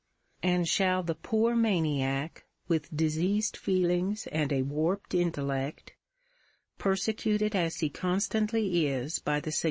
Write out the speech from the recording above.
And shall the poor maniac, with diseased feelings and a warped intellect, persecuted as he constantly is by the sugges * See Br.